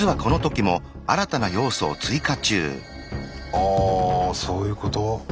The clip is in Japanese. ああそういうこと？